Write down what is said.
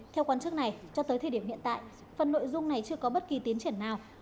theo quan chức này cho tới thời điểm hiện tại phần nội dung này chưa có bất kỳ tiến triển nào